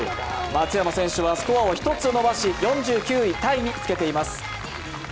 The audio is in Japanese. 松山選手はスコアを１つ伸ばし４９位タイにつけています。